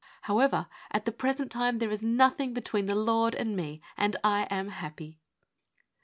However, at the present time there is nothing between the Lord and me, and I am happy.